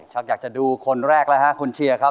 ชักอยากจะดูคนแรกนะฮะคุณเชียครับ